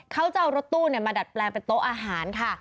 เขาจะเอารถตู้มาดัดแปลงเป็นโต๊ะอาหารค่ะ